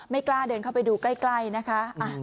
กล้าเดินเข้าไปดูใกล้นะคะ